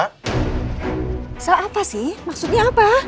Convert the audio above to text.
soal apa sih maksudnya apa